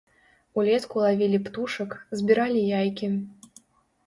Улетку лавілі птушак, збіралі яйкі.